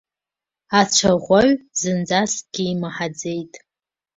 Ацәаӷәаҩ зынӡаскгьы имаҳаӡеит.